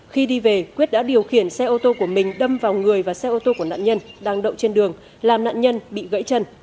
khi đi về quyết đã điều khiển xe ô tô của mình đâm vào người và xe ô tô của nạn nhân đang đậu trên đường làm nạn nhân bị gãy chân